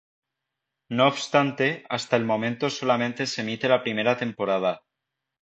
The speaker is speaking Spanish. No obstante, hasta el momento solamente se emite la primera temporada.